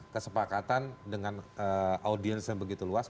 kesepakatan dengan audiens yang begitu luas